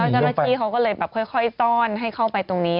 เจ้าหน้าที่เขาก็เลยแบบค่อยต้อนให้เข้าไปตรงนี้